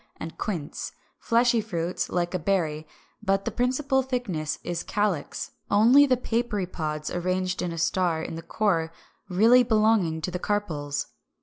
374), and quince; fleshy fruits, like a berry, but the principal thickness is calyx, only the papery pods arranged like a star in the core really belonging to the carpels.